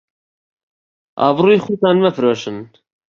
ئابڕووی خۆتان مەفرۆشن